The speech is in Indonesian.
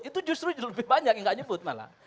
itu justru lebih banyak yang nggak nyebut malah